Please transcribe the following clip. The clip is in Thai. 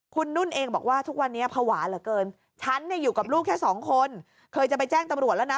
คุณนุ่นเองบอกว่าทุกวันนี้ภาวะเหลือเกินฉันเนี่ยอยู่กับลูกแค่สองคนเคยจะไปแจ้งตำรวจแล้วนะ